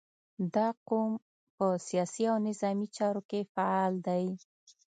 • دا قوم په سیاسي او نظامي چارو کې فعال دی.